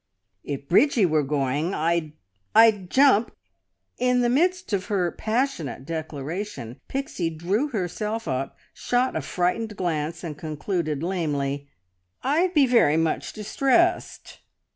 "If Bridgie were going I'd ... I'd jump " In the midst of her passionate declaration Pixie drew herself up, shot a frightened glance, and concluded lamely, "I'd ... be very much distressed!"